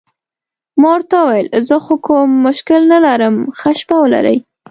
ما ورته وویل: زه خو کوم مشکل نه لرم، ښه شپه ولرئ.